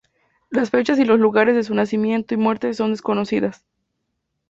Las fechas y los lugares de su nacimiento y muerte son desconocidas.